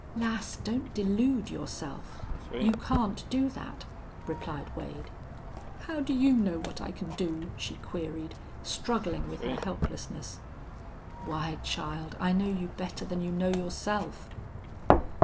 "Lass, don't delude yourself. You can't do that," replied Wade. "How do you know what I can do?" she queried, struggling with her helplessness. "Why, child, I know you better than you know yourself."